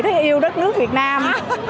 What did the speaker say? thấy yêu đất nước việt nam